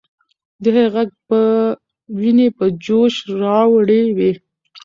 د هغې ږغ به ويني په جوش راوړي وي.